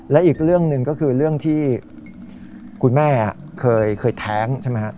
และอีกเรื่องหนึ่งก็คือเรื่องที่คุณแม่เคยแท้งใช่ไหมฮะ